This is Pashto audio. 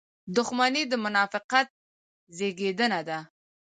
• دښمني د منافقت زېږنده ده.